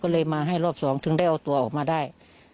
ก็เลยมาให้รอบสองถึงได้เอาตัวออกมาได้